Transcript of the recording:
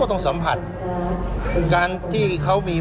คุณต้องไปคุยกับทางเจ้าหน่อย